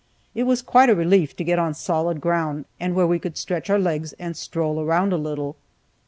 It was quite a relief to get on solid ground, and where we could stretch our legs and stroll around a little.